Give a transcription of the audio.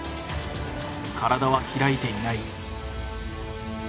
体は開いていない。